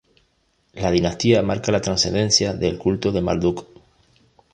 La dinastía marca la trascendencia del culto de Marduk.